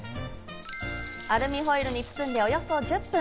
アルミホイルに包んでおよそ１０分。